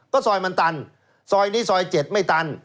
ก็ซอยมันตันซอยนี้ซอย๗ไม่ตัน